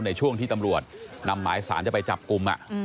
ในช่วงที่ตำรวจนำหมายสารจะไปจับกลุ่ม